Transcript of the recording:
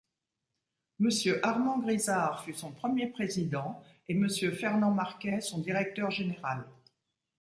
Monsieur Armand Grisar fut son premier président, et monsieur Fernand Marquet son directeur général.